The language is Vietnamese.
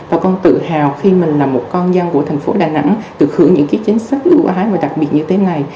và con tự hào khi mình là một con dân của thành phố đà nẵng được hưởng những cái chính sách ưu ái và đặc biệt như thế này